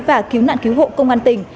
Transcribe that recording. và cứu nạn cứu hộ công an tỉnh